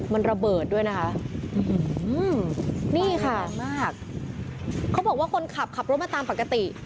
มันระเบิดด้วยนะคะคิดว่าคนขับซึ่งขับรถมาตามปกติ